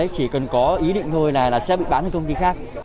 chỉ cần có ý định thôi là sẽ bị bán cho công ty khác